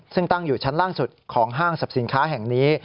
ซึ่งตั้งอยู่ชั้นล่างสุดของห้างสรรพสินค้าแห่งนี้